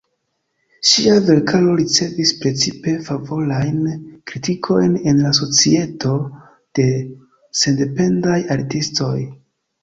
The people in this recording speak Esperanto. Ŝia verkaro ricevis precipe favorajn kritikojn en la Societo de Sendependaj Artistoj.